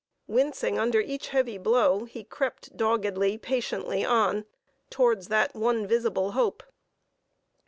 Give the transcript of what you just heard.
Wincing under each heavy blow, he crept doggedly, patiently on, towards that one visible hope.